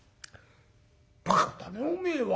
バカだねおめえは。